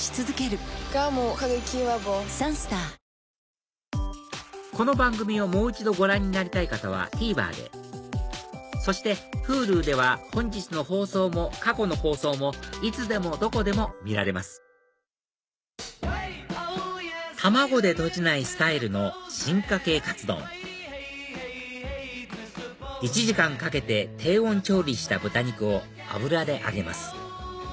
めん話つづけてこの番組をもう一度ご覧になりたい方はＴＶｅｒでそしてＨｕｌｕでは本日の放送も過去の放送もいつでもどこでも見られます卵でとじないスタイルの進化系カツ丼１時間かけて低温調理した豚肉を油で揚げます